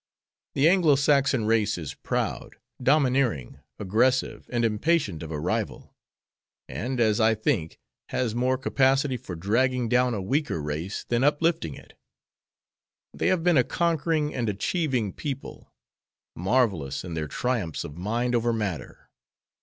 The Anglo Saxon race is proud, domineering, aggressive, and impatient of a rival, and, as I think, has more capacity for dragging down a weaker race than uplifting it. They have been a conquering and achieving people, marvelous in their triumphs of mind over matter.